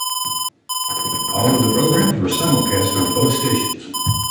All other programmes were simulcast on both stations.